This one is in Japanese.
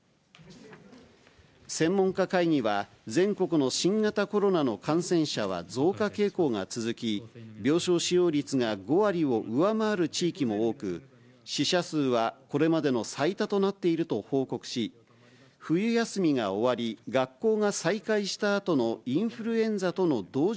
専門家会議は、全国の新型コロナの感染者は増加傾向が続き、病床使用率が５割を上回る地域も多く、死者数はこれまでの最多となっていると報告し、冬休みが終わり、学校が再開したあとのインフルエンザとの同時